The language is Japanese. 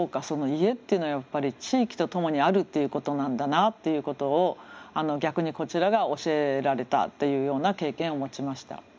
家っていうのはやっぱり地域と共にあるっていうことなんだなっていうことを逆にこちらが教えられたというような経験を持ちました。